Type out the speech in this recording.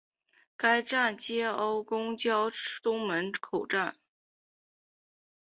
该站接驳公交东门口站。